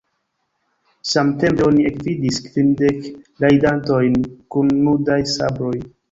Samtempe oni ekvidis kvindek rajdantojn kun nudaj sabroj.